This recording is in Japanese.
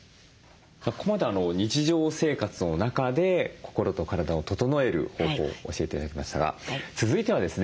ここまで日常生活の中で心と体を整える方法を教えて頂きましたが続いてはですね